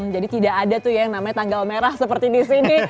jadi tidak ada yang namanya tanggal merah seperti disini